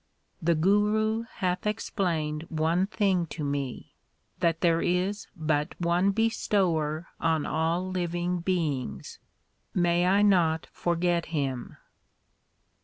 The Guru hath explained one thing to me That there is but one Bestower on all living beings ; may I not forget Him